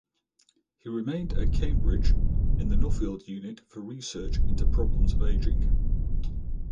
He remained at Cambridge in the Nuffield Unit for Research into Problems of Ageing.